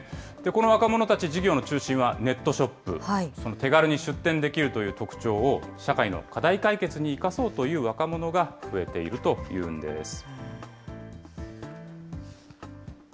この若者たち、事業の中心はネットショップ、その手軽に出店できるという特徴を、社会の課題解決に生かそうという若者が増えているというんです。